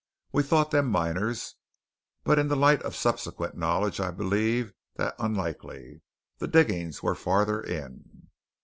We thought them miners; but in the light of subsequent knowledge I believe that unlikely the diggings were farther in.